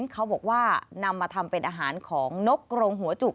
เขาบอกว่านำมาทำเป็นอาหารของนกกรงหัวจุก